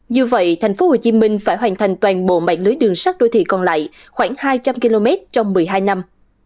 như vậy tp hcm phải hoàn thành toàn bộ mạng lưới đường sắt đô thị còn lại khoảng hai trăm linh km trong một mươi hai năm